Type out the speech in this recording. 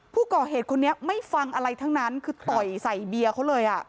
ผู้ก่อเหตุคนนี้ไม่ฟังอะไรทั้งนั้นคือต่อยใส่เบียร์เขาเลย